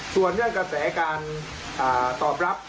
ส่วนเรื่องกระแสการตอบรับ